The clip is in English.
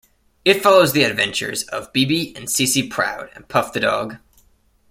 It follows the adventures of BeBe and CeCe Proud and Puff the dog.